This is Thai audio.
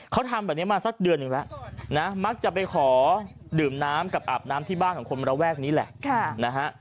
เขาทำแบบนี้มาสักเดือนหนึ่งแล้วนะมักจะไปขอดื่มน้ำกับอาบน้ำที่บ้านของคนระแวกนี้แหละนะฮะ